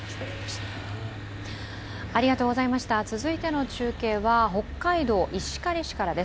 続いての中継は北海道石狩市からです。